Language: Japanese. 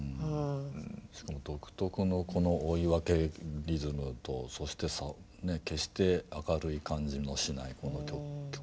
しかも独特のこの追分リズムとそして決して明るい感じのしないこの曲と。